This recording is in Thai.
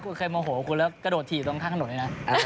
ถ้าเคยโมโหคุณเลิกกระโดดถีบตรงข้างข้างหน่อยนะ